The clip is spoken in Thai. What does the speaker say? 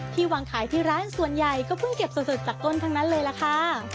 วางขายที่ร้านส่วนใหญ่ก็เพิ่งเก็บสดจากต้นทั้งนั้นเลยล่ะค่ะ